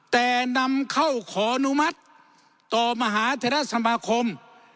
แต่นำเข้าขออนุมัติต่อมหาเทราสมาคม